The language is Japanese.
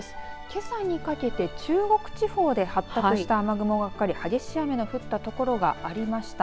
けさにかけて中国地方で発達した雨雲がかかり激しい雨の降った所がありました。